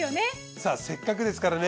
さあせっかくですからね。